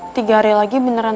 tiga hari lagi beneran